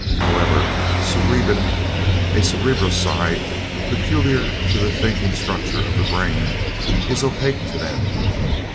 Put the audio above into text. However, cerebin, a cerebroside peculiar to the thinking structure of the brain, is opaque to them.